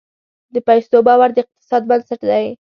د پیسو باور د اقتصاد بنسټ دی.